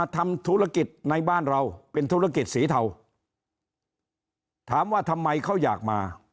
แต่เขาอยากเข้ามา